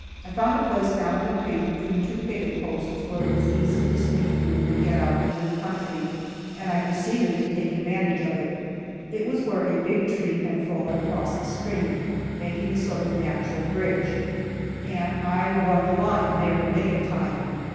I found a place down on the creek between two picket posts where it was easy to sneak through and get out into the country, and I proceeded to take advantage of it. It was where a big tree had fallen across the stream, making a sort of natural bridge, and I "run the line" there many a time.